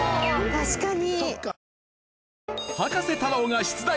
確かに！